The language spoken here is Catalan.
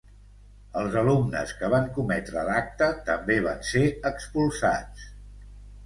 Els alumnes que van cometre l'acte també van ser expulsats.